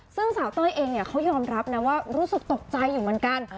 ซึ่งสาวเต้ยเองเนี่ยเขายอมรับนะว่ารู้สึกตกใจอยู่เหมือนกัน